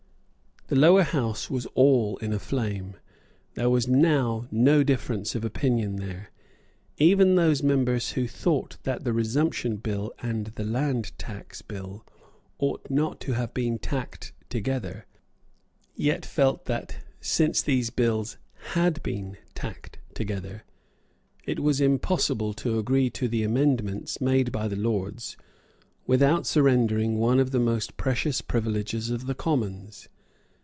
The Lower House was all in a flame. There was now no difference of opinion there. Even those members who thought that the Resumption Bill and the Land Tax Bill ought not to have been tacked together, yet felt that, since those bills had been tacked together, it was impossible to agree to the amendments made by the Lords without surrendering one of the most precious privileges of the Commons.